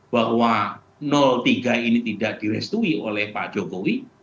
bahwa tiga ini tidak direstui oleh pak jokowi